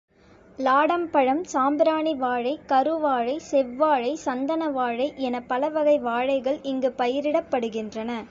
லாடம் பழம், சாம்பிராணி வாழை, கரு வாழை, செவ்வாழை, சந்தன வாழை எனப் பலவகை வாழைகள் இங்கு பயிரிடப்படுகின்றன.